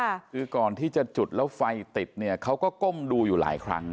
คือก่อนที่จะจุดแล้วไฟติดเนี่ยเขาก็ก้มดูอยู่หลายครั้ง